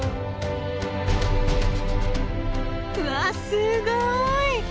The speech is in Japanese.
うわすごい！